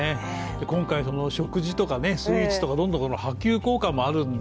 今回、食事とかスイーツとかどんどん波及効果もあるんで